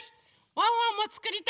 ワンワンもつくりたいです。